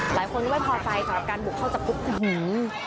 หลายคนก็ไม่พอใจสำหรับการบุกเข้าจับกุม